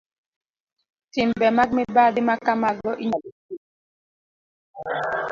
Timbe mag mibadhi ma kamago inyalo tiek